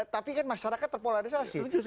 tapi kan masyarakat terpolarisasi